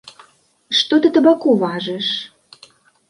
Што ты табаку важыш?